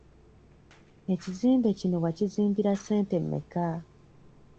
Ekizimbe kino wakizimbira ssente mmeka?